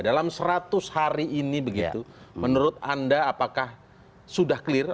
dalam seratus hari ini begitu menurut anda apakah sudah clear